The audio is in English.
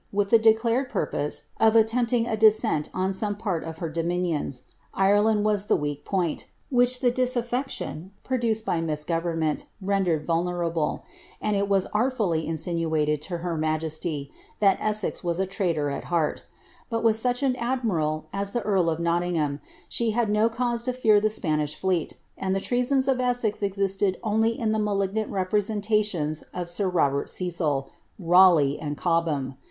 177 with the declared purpose of attempting a descent on some part of her dominions. Ireland was the weak point, which the disaffection, pro duced by misgovernment, rendered vulnerable, and it was artfully in sinuated to her majesty, that Essex was a traitor at heart ; but with such an admiral as the earl of Nottingham, she had no cause to fear the Spanish fleet, and the treasons of Essex existed only in the malignant representations of sir Robert Cecil, Raleigh, and Cobham.